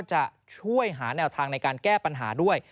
จะช่วยหาแนวทางในการแก้ปัญหาด้วย